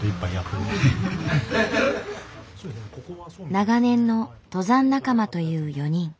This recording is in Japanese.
長年の登山仲間という４人。